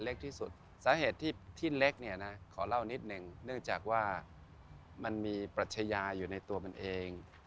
เล็กที่สุดสาเหตุที่เล็กเนี่ยนะขอเล่านิดนึงเนื่องจากว่ามันมีปรัชญาอยู่ในตัวมันเอง